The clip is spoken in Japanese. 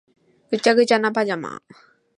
ぐちゃぐちゃなパジャマ